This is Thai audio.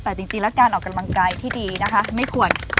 แต่จริงแล้วการออกกำลังกายที่ดีนะคะไม่ควร